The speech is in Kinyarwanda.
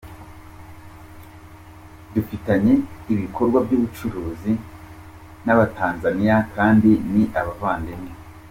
Dufitanye ibikorwa by’ubucuruzi n’abatanzaniya kandi ni abavandimwe.